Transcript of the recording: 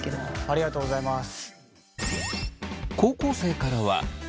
ありがとうございます。